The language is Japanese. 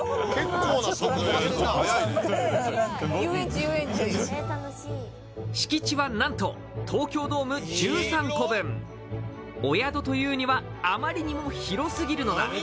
ハハハッ遊園地遊園地敷地は何と東京ドーム１３個分お宿というにはあまりにも広すぎるのだ